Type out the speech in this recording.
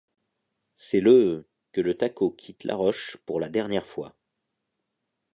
C'est le que le tacot quitte Laroche pour la dernière fois.